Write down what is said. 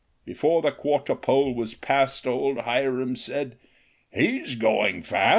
Before the quarter pole was past, Old Hiram said, " He 's going fast."